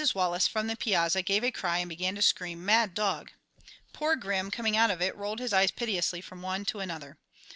Wallace, from the piazza, gave a cry and began to scream, "Mad dog." Poor Grim, coming out of it, rolled his eyes piteously from one to another.